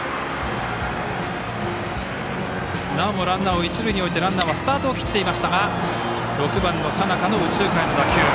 なおもランナーを一塁に置いてランナーはスタートを切っていましたが６番の佐仲の右中間への打球。